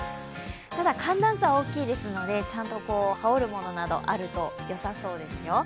ただ寒暖差が大きいですのでちゃんと羽織るものがあるとよさそうですよ。